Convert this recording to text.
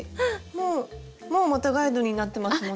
もうもうまたガイドになってますもんね。